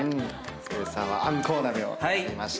剛さんはあんこう鍋を選びました。